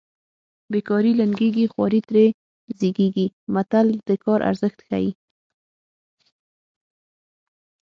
بې کاري لنګېږي خواري ترې زېږېږي متل د کار ارزښت ښيي